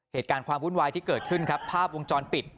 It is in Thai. เหตุการณ์ความวุ่นวายที่เกิดขึ้นครับภาพวงจรปิด